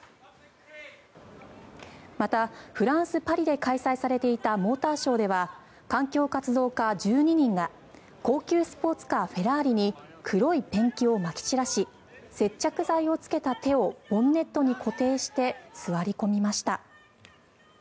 またフランス・パリで開催されていたモーターショーでは環境活動家１２人が高級スポーツカーフェラーリに黒いペンキをまき散らし接着剤をつけた手をボンネットに固定して座り込みました。